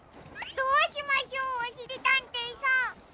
どうしましょうおしりたんていさん。